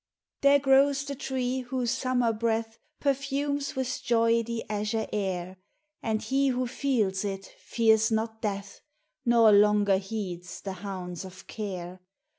There grows the Tree whose summer breath Perfumes with joy the azure air; And he who feels it fears not Death, Nor longer heeds the hounds of Care.